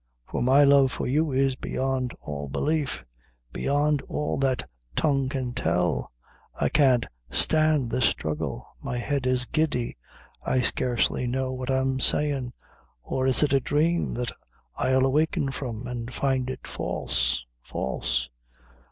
for my love for you is beyond all belief beyond all that tongue can tell. I can't stand this struggle my head is giddy I scarcely know what I'm sayin', or is it a dhrame that I'll waken from, and find it false false?"